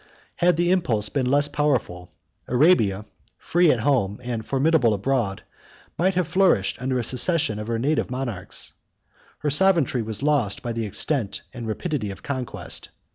Had the impulse been less powerful, Arabia, free at home and formidable abroad, might have flourished under a succession of her native monarchs. Her sovereignty was lost by the extent and rapidity of conquest.